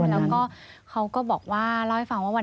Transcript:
แล้วก็เขาก็บอกว่า